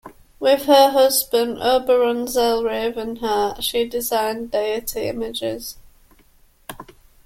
With her husband Oberon Zell-Ravenheart she designed deity images.